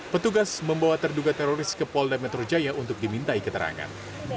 petugas membawa terduga teroris ke polda metro jaya untuk dimintai keterangan